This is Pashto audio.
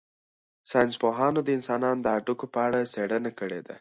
ساینس پوهانو د انسانانو د هډوکو په اړه څېړنه کړې.